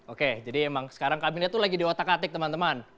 oke jadi emang sekarang kabinet itu lagi di otak atik temen temen